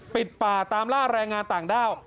ปิดป่าตามล่าแรงงานต่างด้าว